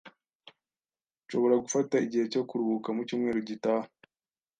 Nshobora gufata igihe cyo kuruhuka mu cyumweru gitaha?